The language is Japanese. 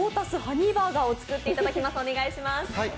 早速、ロータスハニーバーガーを作っていただきます。